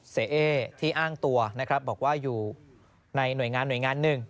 เอ๊ที่อ้างตัวนะครับบอกว่าอยู่ในหน่วยงานหน่วยงานหนึ่ง